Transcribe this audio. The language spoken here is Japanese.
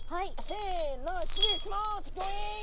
せの失礼します！